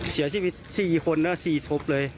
เสียชีวิต๔คน๔ศพเลย